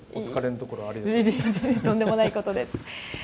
とんでもないことです。